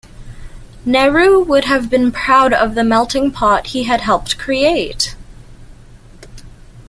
Nehru would have been proud of the melting pot he had helped create.